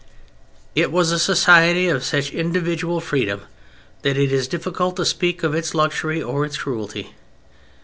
It was a society of such individual freedom that it is difficult to speak of its "luxury" or its "cruelty."